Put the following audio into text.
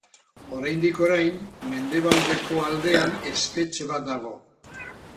Oraindik-orain, mendebaldeko aldean espetxe bat dago.